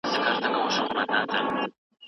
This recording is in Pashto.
لوستې مور د کورنۍ د روغتيا ارزښت درک کوي.